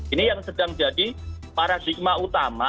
ini yang sedang jadi paradigma utama